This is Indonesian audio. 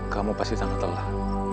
kamu pasti sangat telah